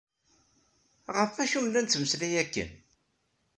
Ɣef acu nella nettmeslay akken?